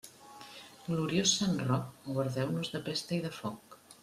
Gloriós sant Roc, guardeu-nos de pesta i de foc.